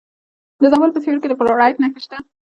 د زابل په سیوري کې د فلورایټ نښې شته.